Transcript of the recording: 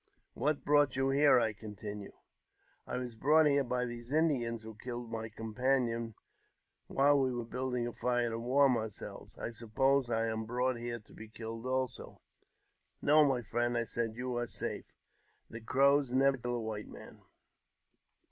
"What brought you here ?" I continued. *'I was brought here by these Indians, who killed my com panion while we were building a fire to warm ourselves. I suppose I am brought here to be killed also ?''" No, my friend," I said, *' you are safe. The Crows never kill white men."